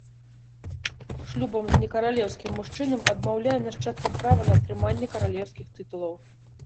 Шлюбам з не каралеўскім мужчынам адмаўляе нашчадкам права на атрыманне каралеўскіх тытулаў.